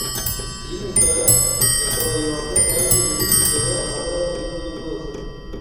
iy’imikara ya kabayonga, kandi uzi gukeba amabara y’uburyo bwose.